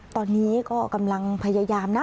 ตอนนี้ก็กำลังพยายามนะ